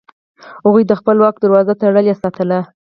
هغوی د خپل واک دروازه تړلې ساتله.